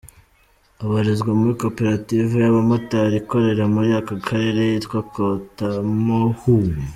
Abarizwa muri Koperative y’abamotari ikorera muri aka karere yitwa Cotamohu.